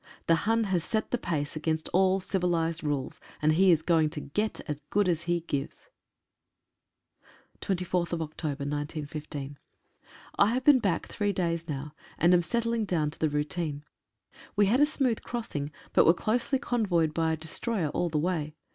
The Hun has set the pace against all civilised rules, and he is going to get as good as he gives. 3 HAVE been back three days now, and am settling down to the routine. We had a smooth crossing, but were closely convoyed by a destroyer all the way.